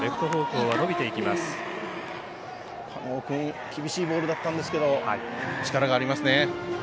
狩野君厳しいボールだったんですけど力がありますね。